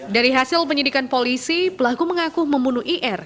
dari hasil penyidikan polisi pelaku mengaku membunuh ir